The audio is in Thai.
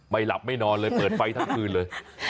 หลับไม่นอนเลยเปิดไฟทั้งคืนเลย